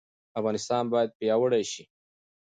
افغانستان باید پیاوړی شي.